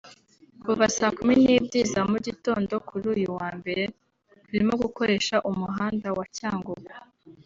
“Kuva saa kumi n’ebyri za mu gitondo kuri uyu wa mbere turimo gukoresha umuhanda wa Cyangugu